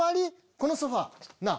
このソファなぁ？